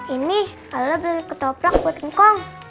ini kalau beli ketoprak buat ngkong